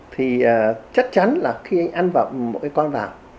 thì chắc chắn là khi ăn vào một cái con vào